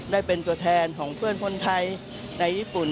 ได้เป็นตัวแทนของเพื่อนคนไทยในญี่ปุ่น